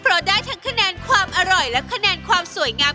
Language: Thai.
เพราะได้ทั้งคะแนนความอร่อยและคะแนนความสวยงาม